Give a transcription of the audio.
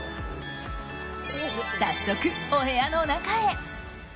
早速、お部屋の中へ。